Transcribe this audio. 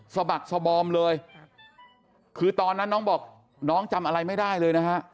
บักสบอมเลยคือตอนนั้นน้องบอกน้องจำอะไรไม่ได้เลยนะฮะ